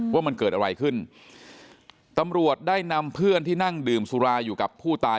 ว่ามันเกิดอะไรขึ้นตำรวจได้นำเพื่อนที่นั่งดื่มสุราอยู่กับผู้ตาย